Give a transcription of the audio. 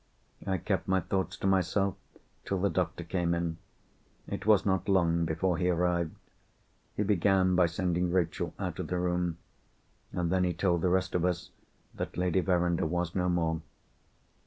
I kept my thoughts to myself till the doctor came in. It was not long before he arrived. He began by sending Rachel out of the room—and then he told the rest of us that Lady Verinder was no more.